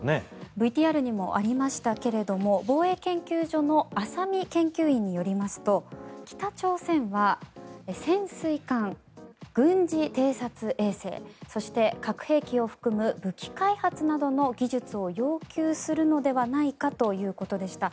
ＶＴＲにもありましたが防衛研究所の浅見研究員によりますと北朝鮮は潜水艦、軍事偵察衛星そして核兵器を含む武器開発などの技術を要求するのではないかということでした。